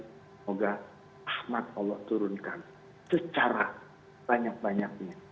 semoga ahmad allah turunkan secara banyak banyaknya